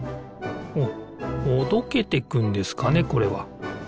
ほどけていくんですかねこれは。